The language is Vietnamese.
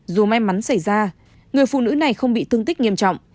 dù may mắn xảy ra người phụ nữ này không bị thương tích nghiêm trọng